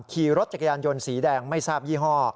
ขี่รถจักรยานยนต์สีแดงไม่ทราบยี่ห้อ